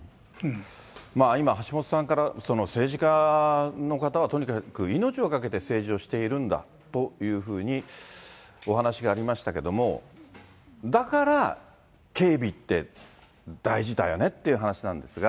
今、橋下さんから政治家の方はとにかく、命を懸けて政治をしているんだというふうにお話がありましたけども、だから、警備って大事だよねっていう話なんですが。